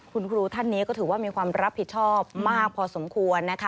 คุณครูท่านนี้ก็ถือว่ามีความรับผิดชอบมากพอสมควรนะคะ